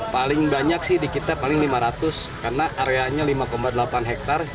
paling banyak sih di kita paling lima ratus karena areanya lima delapan hektare